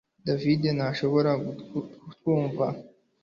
David ntashobora kutwumva